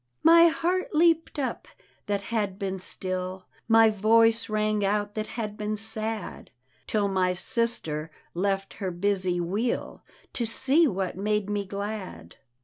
My heart leapt up that had been still, My voice rang out that had been sad, Till my sister left her busy wheel To sec what made me glad.